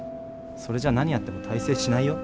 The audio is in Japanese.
それじゃ何やっても大成しないよ。